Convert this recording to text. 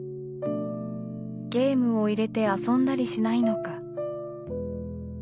ゲームを入れて遊んだりしないのか。